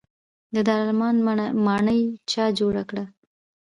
دارالامان ماڼۍ چا جوړه کړه؟